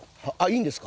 いいんですか？